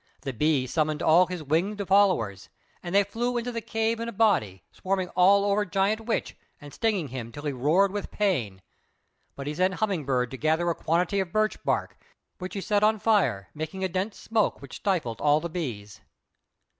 The Bee summoned all his winged followers, and they flew into the cave in a body, swarming all over Giant Witch and stinging him till he roared with pain; but he sent Humming bird to gather a quantity of birch bark, which he set on fire, making a dense smoke which stifled all the bees.